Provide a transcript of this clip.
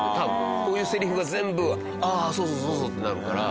こういうセリフが全部「ああそうそうそうそう」ってなるから。